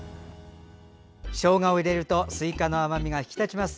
しょうがを入れるとすいかの甘みが引き立ちます。